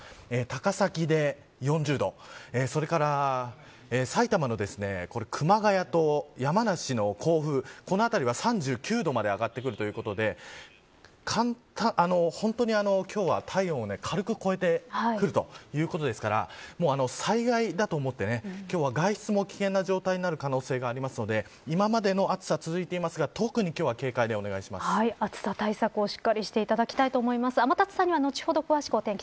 高崎で４０度それから埼玉の熊谷と山梨市の甲府この辺りは３９度まで上がってくるということで本当に、今日は体温を軽く超えてくるということですから災害だと思って、今日は外出も危険な状態になる可能性がありますので今までの暑さ続いていますが暑さ対策をしっかりしていただきたいと思います。